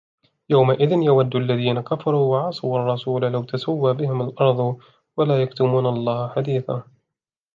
يَوْمَئِذٍ يَوَدُّ الَّذِينَ كَفَرُوا وَعَصَوُا الرَّسُولَ لَوْ تُسَوَّى بِهِمُ الْأَرْضُ وَلَا يَكْتُمُونَ اللَّهَ حَدِيثًا